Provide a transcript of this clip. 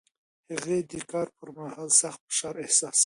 هغې د کار پر مهال سخت فشار احساس کړ.